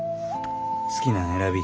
好きなん選び。